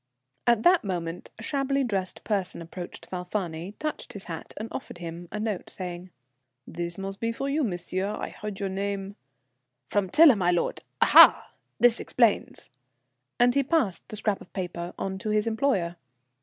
At that moment a shabbily dressed person approached Falfani, touched his hat, and offered him a note, saying: "This must be for you, monsieur. I heard your name " "From Tiler, my lord, aha! This explains." And he passed the scrap of paper on to his employer.